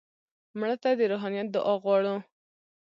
مړه ته د روحانیت دعا غواړو